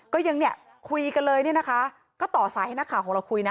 ก็ยังเนี่ยคุยกันเลยเนี่ยนะคะก็ต่อสายให้นักข่าวของเราคุยนะ